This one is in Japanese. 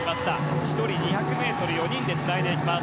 １人２００ｍを４人でつないでいきます。